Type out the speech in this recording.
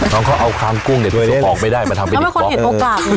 น้องเขาเอาคลามกุ้งเดี๋ยวออกไม่ได้มาทำไปอีกบ๊อกเออเออ